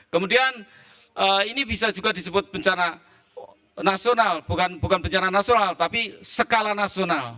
kemudian ini bisa juga disebut bencana nasional bukan bencana nasional tapi skala nasional